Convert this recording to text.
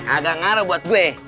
agak ngaruh buat gue